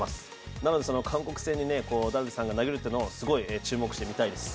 なので、韓国戦にダルビッシュさんが投げるというのをすごい注目して見たいです。